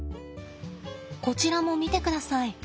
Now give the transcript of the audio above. こちらも見てください。